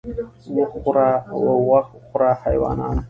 وښ خوره او غوښ خوره حیوانان